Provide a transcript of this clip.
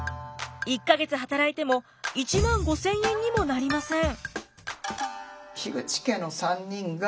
１か月働いても１万５，０００円にもなりません。